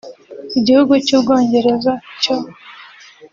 Igihugu cy’u Bwongereza cyo